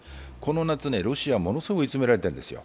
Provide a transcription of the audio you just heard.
ロシアはものすごい追い詰められているんですよ。